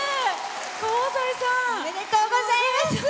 香西さん！おめでとうございます。